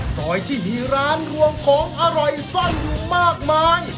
ซอยที่มีร้านรวมของอร่อยซ่อนอยู่มากมาย